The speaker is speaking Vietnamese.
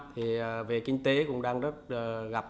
thì về kinh tế cũng đang rất gặp